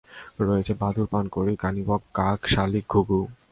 রয়েছে বাদুর, পানকৌড়ি, কানিবক, কাক, শালিক, ঘুঘু, তিন প্রজাতির মাছরাঙা, ডাহুক।